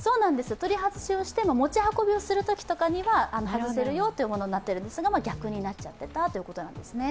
取り外しをして、持ち運びをするときに外せるよというものになってるんですが、逆になってたということなんですね。